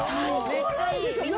めっちゃいい！